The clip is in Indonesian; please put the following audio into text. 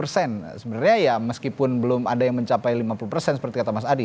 sebenarnya ya meskipun belum ada yang mencapai lima puluh persen seperti kata mas adi